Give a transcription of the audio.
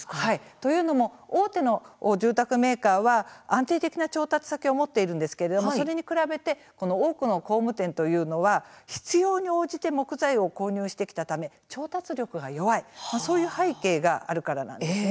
というのも大手の住宅メーカーは安定的な調達先を持っているんですけれどもそれに比べて多くの工務店というのは必要に応じて調達するので調達力が弱いという背景があるからです。